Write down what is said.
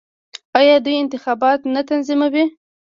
آیا دوی انتخابات نه تنظیموي؟